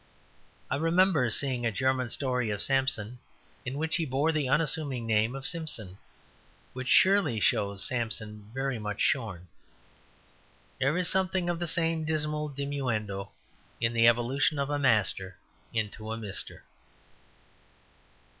I remember seeing a German story of Samson in which he bore the unassuming name of Simson, which surely shows Samson very much shorn. There is something of the same dismal diminuendo in the evolution of a Master into a Mister.